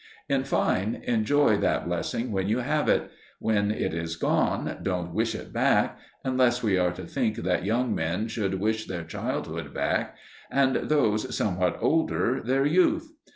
In fine, enjoy that blessing when you have it; when it is gone, don't wish it back unless we are to think that young men should wish their childhood back, and those somewhat older their youth!